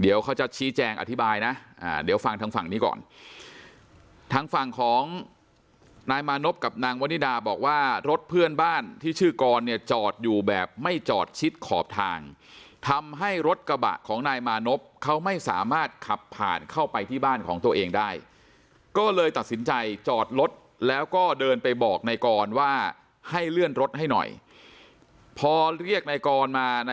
เดี๋ยวเขาจะชี้แจงอธิบายนะเดี๋ยวฟังทางฝั่งนี้ก่อนทางฝั่งของนายมานพกับนางวนิดาบอกว่ารถเพื่อนบ้านที่ชื่อกรเนี่ยจอดอยู่แบบไม่จอดชิดขอบทางทำให้รถกระบะของนายมานพเขาไม่สามารถขับผ่านเข้าไปที่บ้านของตัวเองได้ก็เลยตัดสินใจจอดรถแล้วก็เดินไปบอกนายกรว่าให้เลื่อนรถให้หน่อยพอเรียกในกรมานะ